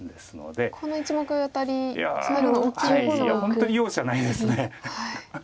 本当に容赦ないです。